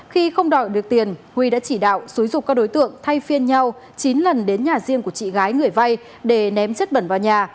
khi không đòi được tiền huy đã chỉ đạo xúi dục các đối tượng thay phiên nhau chín lần đến nhà riêng của chị gái người vay để ném chất bẩn vào nhà